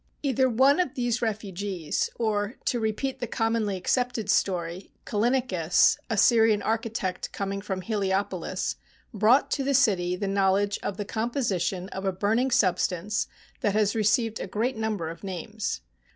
Either one of these refugees, or, to repeat the com monly accepted story, Callinicus, a Syrian architect coming from Heliopolis, brought to the city the knowledge of the composition of a burning sub stance that has received a great number of names.